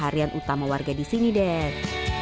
harian utama warga di sini den